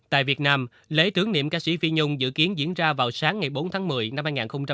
tại việt nam lễ tướng niệm ca sĩ phi nhung dự kiến diễn ra vào sáng ngày bốn tháng một mươi năm hai nghìn hai mươi một